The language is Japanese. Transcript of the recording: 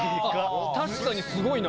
確かにスゴいな。